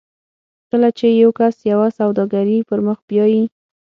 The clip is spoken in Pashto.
کله چې یو کس یوه سوداګري پر مخ بیایي